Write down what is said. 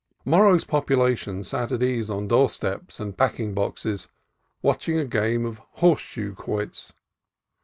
Morro's population sat at ease on doorsteps and packing boxes, watching a game of horseshoe quoits.